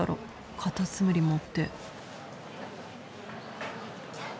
カタツムリ持って。